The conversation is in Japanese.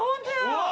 うわ！